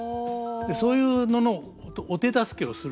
そういうののお手助けをするのが。